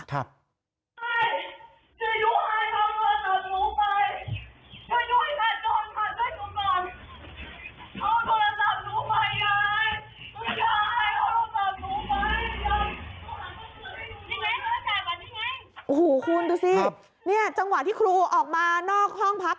ทุกคนดูสิจังหวะที่ครูออกมานอกห้องพัก